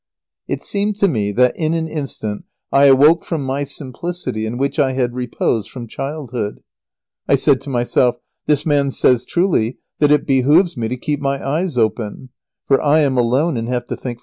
It seemed to me that, in an instant, I awoke from my simplicity in which I had reposed from childhood. I said to myself, "This man says truly that it behoves me to keep my eyes open, for I am alone and have to think for myself."